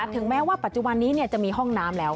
ถึงแม้ว่าปัจจุบันนี้จะมีห้องน้ำแล้ว